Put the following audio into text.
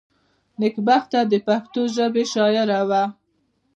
نېکبخته دپښتو ژبي شاعره وه.